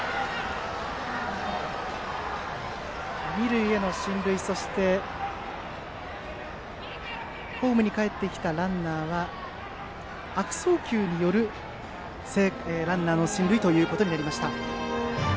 二塁への進塁、そしてホームにかえってきたランナーは悪送球によるランナーの進塁となりました。